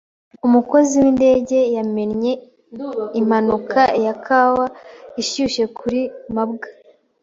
Umukozi windege yamennye impanuka ya Kawa ishyushye kuri mabwa.